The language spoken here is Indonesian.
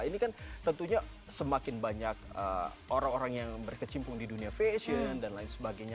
ini kan tentunya semakin banyak orang orang yang berkecimpung di dunia fashion dan lain sebagainya